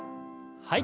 はい。